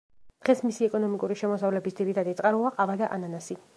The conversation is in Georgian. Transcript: დღეს მისი ეკონომიკური შემოსავლების ძირითადი წყაროა ყავა და ანანასი.